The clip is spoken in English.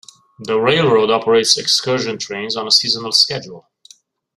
The railroad operates excursion trains on a seasonal schedule.